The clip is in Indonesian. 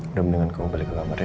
udah mendingan kamu balik ke kamarnya